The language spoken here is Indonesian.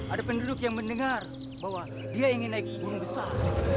ada penduduk yang mendengar bahwa dia ingin naik gunung besar